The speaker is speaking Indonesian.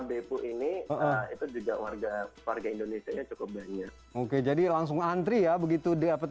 depu ini itu juga warga warga indonesia cukup banyak oke jadi langsung antri ya begitu diapet